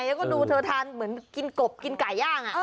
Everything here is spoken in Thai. เดี๋ยวก็ดูเธอทานเหมือนกินกไร่ย่าง